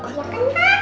iya kan pak